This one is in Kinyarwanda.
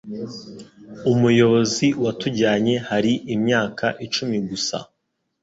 Umuyobozi watujyanye hari imyaka icumi gusa.